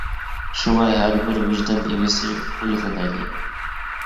شۇڭا ھەر بىر ۋىجدان ئىگىسى ئويغىنايلى.